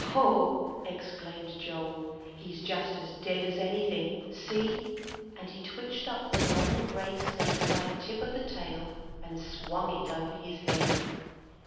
"Hoh!" exclaimed Joel, "he's just as dead as anything. See!" and he twitched up the long gray snake by the tip of the tail and swung it over his head.